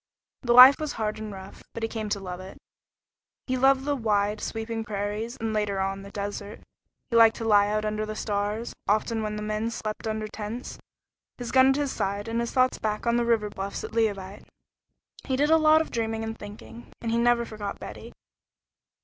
The life was hard and rough, but he came to love it. He loved the wide, sweeping prairies, and, later on, the desert. He liked to lie out under the stars, often when the men slept under tents, his gun at his side and his thoughts back on the river bluffs at Leauvite. He did a lot of dreaming and thinking, and he never forgot Betty.